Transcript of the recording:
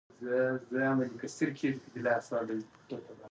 ادب دانسان تر ټولو ځانګړې او مهمه ځانګړنه ده